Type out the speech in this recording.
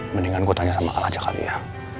mendingan gua tanya sama al aja kali ya